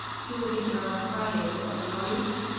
He will be here on Friday did I tell you?"